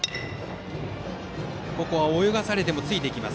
泳がされてもついていきます。